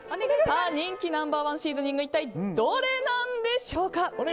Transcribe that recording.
人気ナンバー１シーズニングは一体どれなんでしょうか。